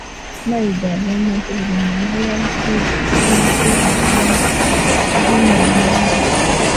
Mayiga agamba nti buli munnabyabufuzi asobola okwegazanyiza obulungi e Mmengo